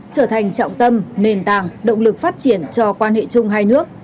trở thành trọng tâm nền tảng động lực phát triển cho quan hệ chung hai nước